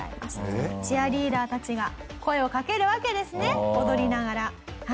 チアリーダーたちが声をかけるわけですね踊りながら。